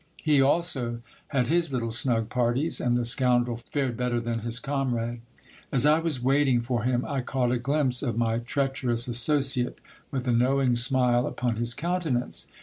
He also had his little snug parties, and the scoundrel fared better than his com rade. As I was waiting for him, I caught a glimpse of my treacherous associ ate, with a knowing smile upon his countenance.